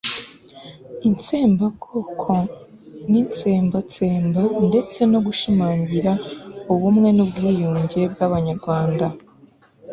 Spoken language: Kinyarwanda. itsembabwoko n'itsembatsemba ndetse no gushimangira ubumwe n'ubwiyunge bw'abanyarwanda